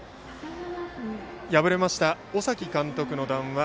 敗れました尾崎監督の談話